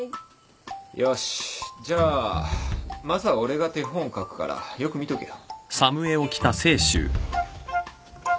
よしじゃあまずは俺が手本を書くからよく見とけよ。